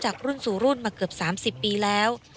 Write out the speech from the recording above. รุ่นสู่รุ่นมาเกือบ๓๐ปีแล้ว